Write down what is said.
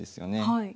はい。